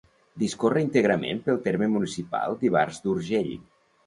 Discorre íntegrament pel terme municipal d'Ivars d'Urgell.